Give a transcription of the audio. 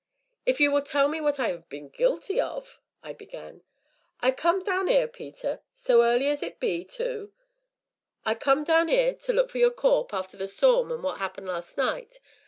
"If you will tell me what I have been guilty of " I began. "I come down 'ere, Peter so early as it be, tu I come down 'ere to look for your corp', arter the storm an' what 'appened last night.